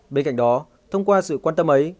bên cạnh đó thông qua sự quan tâm ấy